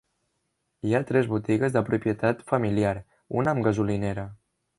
Hi ha tres botigues de propietat familiar, una amb una gasolinera.